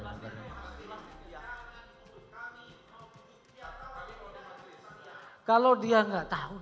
kalau dia masih di dalam dia akan memutuskan kalau dia mau diberi dia akan memutuskan